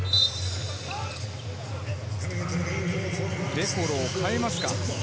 デ・コロを替えますか？